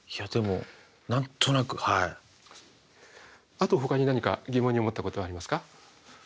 あとほかに何か疑問に思ったことはありますか？